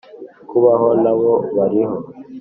kubaho nabo bariho